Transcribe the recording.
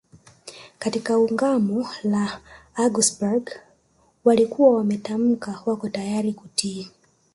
Katika Ungamo la Augsburg walikuwa wametamka wako tayari kutii